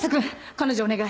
彼女をお願い。